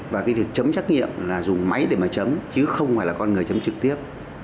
và cái việc chấm trách nhiệm là dùng máy để mà chấm chứ không phải là con người chấm trực tiếp